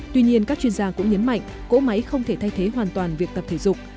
tuy nhiên các chuyên gia cũng nhấn mạnh cỗ máy không thể thay thế hoàn toàn việc tập thể dục